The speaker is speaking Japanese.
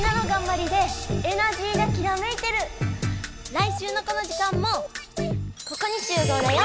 来週のこの時間もここに集合だよ！